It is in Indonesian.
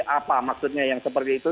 apa maksudnya yang seperti itu